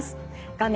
画面